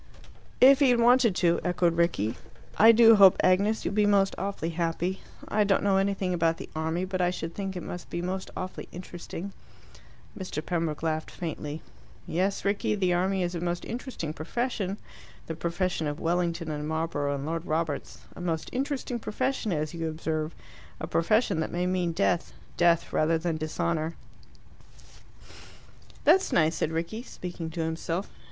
"If he had wanted to," echoed Rickie. "I do hope, Agnes, you'll be most awfully happy. I don't know anything about the army, but I should think it must be most awfully interesting." Mr. Pembroke laughed faintly. "Yes, Rickie. The army is a most interesting profession, the profession of Wellington and Marlborough and Lord Roberts; a most interesting profession, as you observe. A profession that may mean death death, rather than dishonour." "That's nice," said Rickie, speaking to himself.